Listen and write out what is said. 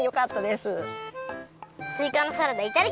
すいかのサラダいただきます！